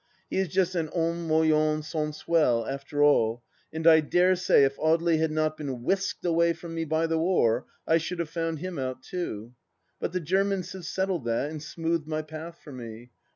He is just an homme moyen sensuel, after all, and I dare say if Audely had not been whisked away from me by the war, I should have found him out too ! But the Germans have settled that and smoothed my path for me.